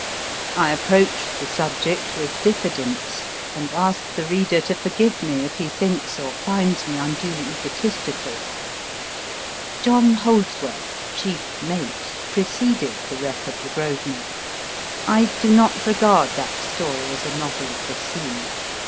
I approach the subject with diffidence, and ask the reader to forgive me if he thinks or finds me unduly egotistical. John Holdsworth : Chief Mate/ preceded * The Wreck of the " Grosvenor." I do not regard that story as a novel of the sea.